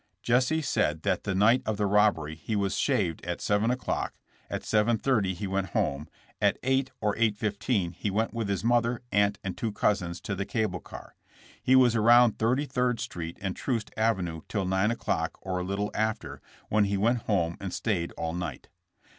Jesse said that the night of the robbery he waa shaved at 7 o'clock, at 7:30 he went home, at 8 or 8:15 he went with his mother, aunt and two cousins to the cable car. He was around Thirty third street and Troost avenue till 9 o'clock or a little after, when he went home and stayed all night.